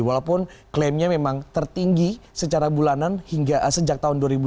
walaupun klaimnya memang tertinggi secara bulanan hingga sejak tahun dua ribu dua puluh